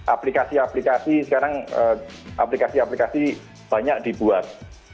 aplikasi aplikasi sekarang aplikasi aplikasi banyak dibuat